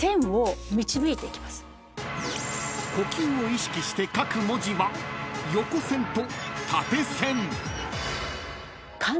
［呼吸を意識して書く文字は横線と縦線］